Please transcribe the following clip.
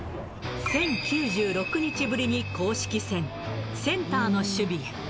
１０９６日ぶりに公式戦、センターの守備へ。